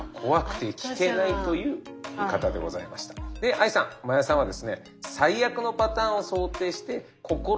ＡＩさん真矢さんはですね